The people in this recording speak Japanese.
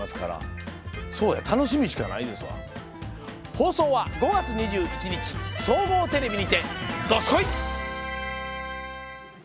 放送は５月２１日総合テレビにて、どすこい！